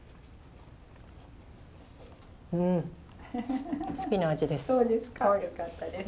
うん好きな味です。